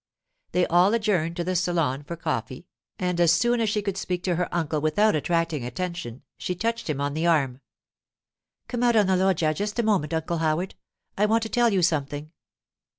They all adjourned to the salon for coffee, and as soon as she could speak to her uncle without attracting attention she touched him on the arm. 'Come out on the loggia just a moment, Uncle Howard; I want to tell you something.